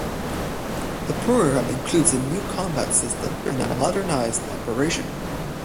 The program includes a new combat system and a modernized operations room.